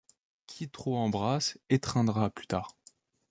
Qui trop embrasse étreindra plus tard.